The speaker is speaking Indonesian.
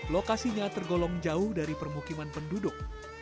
lokasinya tergolong jauh dari permukiman penduduk